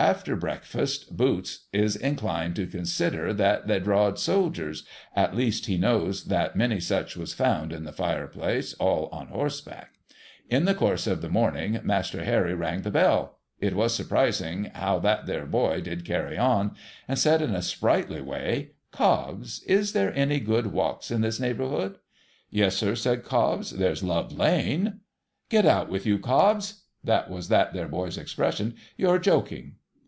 After breakfast. Boots is inclined to consider that they drawed soldiers, — at least, he knows that many such was found in the fireplace, all on horseback. In the course of the morning, INIaster Harry rang the bell, — it was surprising how that there boy did carry on, — and said, in a sprightly way, ' Cobbs, is there any good walks in this neighbourhood ?'' Yes, sir,' says Cobbs. ' There's Love lane.' ' Get out with you, Cobbs !'■— that was that there boy's expres sion, —' you're joking.'